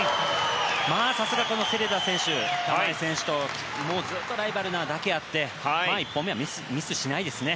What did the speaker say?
さすがセレダ選手玉井選手とずっとライバルなだけあって１本目はミスしないですね。